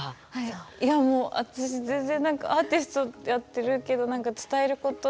いやもう私全然何かアーティストってやってるけど何か伝えること